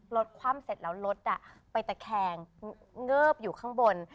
คว่ำเสร็จแล้วรถไปตะแคงเงิบอยู่ข้างบน